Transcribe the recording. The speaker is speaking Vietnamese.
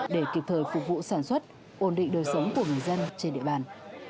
để kịp thời phục vụ sản xuất ổn định đời sống của người dân trên địa bàn